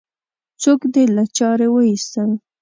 څوک دې له چارې وایستل؟